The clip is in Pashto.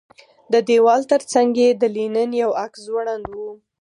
د دېوال ترڅنګ یې د لینن یو عکس ځوړند و